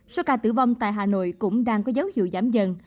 số ca tử vong tại hà nội cũng đang có dấu hiệu giảm dần